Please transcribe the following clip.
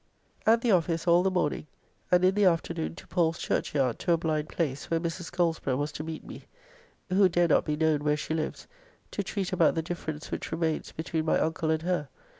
At the office all the morning, and in the afternoon to Paul's Churchyard to a blind place, where Mrs. Goldsborough was to meet me (who dare not be known where she lives) to treat about the difference which remains between my uncle and her.